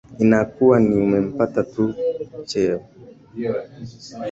inakuwa ni umempa tu mtu cheo